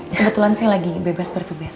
kebetulan saya lagi bebas bertugas